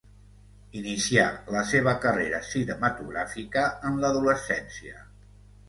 Inicià la seva carrera cinematogràfica en l'adolescència.